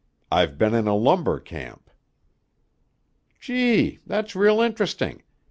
I've been in a lumber camp." "Gee! That's real interesting.